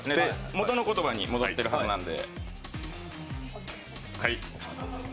元の言葉に戻ってるはずなんで。